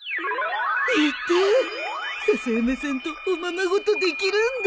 笹山さんとおままごとできるんだ！